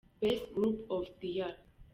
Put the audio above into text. -Best group of the year.